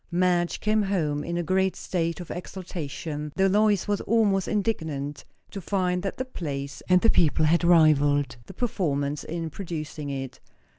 Madge came home in a great state of exultation; though Lois was almost indignant to find that the place and the people had rivalled the performance in producing it.